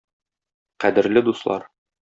Кадерле дуслар!